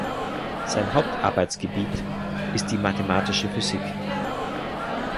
Sein Hauptarbeitsgebiet ist die Mathematische Physik.